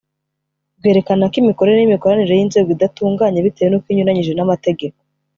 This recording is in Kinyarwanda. rwerekana ko imikorere n’imikoranire y’inzego idatunganye, bitewe n’uko inyuranyije n’amategeko